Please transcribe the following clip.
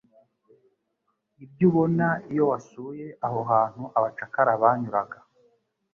Ibyo ubona iyo wasuye aho hantu abacakara banyuraga,